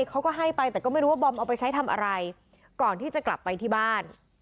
เขาก็ให้ไปแต่ก็ไม่รู้ว่าบอมเอาไปใช้ทำอะไรก่อนที่จะกลับไปที่บ้าน